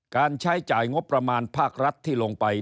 การใช้จ่ายงบประมาณภาครัฐที่ลงไป